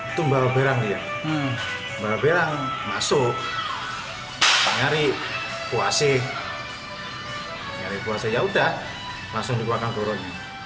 itu membawa barang dia membawa barang masuk mencari kuase mencari kuase yaudah langsung dikuasakan turun